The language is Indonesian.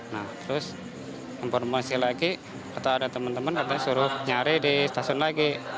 nah terus informasi lagi kata ada temen temen katanya suruh nyari di stasiun lagi